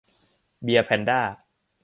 เบียร์แพนด้า !